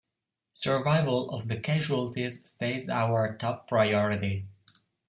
Survival of the casualties stays our top priority!